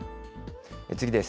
次です。